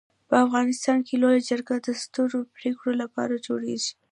په افغانستان کي لويه جرګه د سترو پريکړو لپاره جوړيږي.